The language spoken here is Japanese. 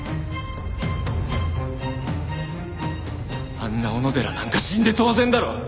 あんな小野寺なんか死んで当然だろ！